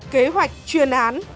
kế hoạch truyền án